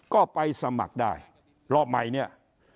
ก็ไปสมัครได้รอบใหม่เนี่ย